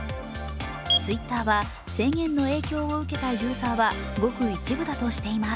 Ｔｗｉｔｔｅｒは、制限の影響を受けたユーザーはごく一部だとしています。